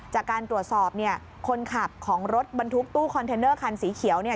จากการตรวจสอบเนี่ยคนขับของรถบรรทุกตู้คอนเทนเนอร์คันสีเขียวเนี่ย